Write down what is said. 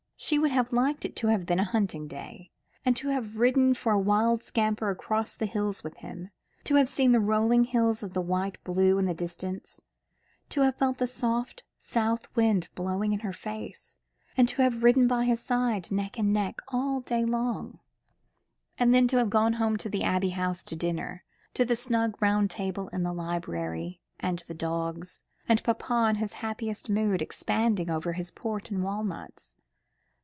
She would have liked it to have been a hunting day, and to have ridden for a wild scamper across the hills with him to have seen the rolling downs of the Wight blue in the distance to have felt the soft south wind blowing in her face, and to have ridden by his side, neck and neck, all day long; and then to have gone home to the Abbey House to dinner, to the snug round table in the library, and the dogs, and papa in his happiest mood, expanding over his port and walnuts.